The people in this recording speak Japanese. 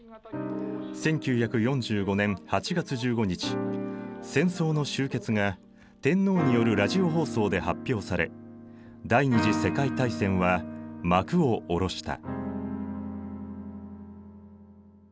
１９４５年８月１５日戦争の終結が天皇によるラジオ放送で発表され第二次世界大戦は幕を下ろした。